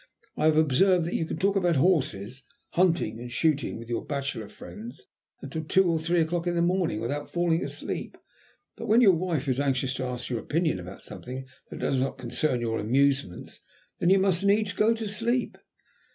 "I have observed that you can talk about horses, hunting, and shooting, with your bachelor friends until two or three o'clock in the morning without falling asleep, but when your wife is anxious to ask your opinion about something that does not concern your amusements, then you must needs go to sleep."